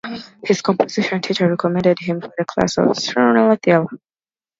His composition teacher recommended him for the class of Siegfried Thiele.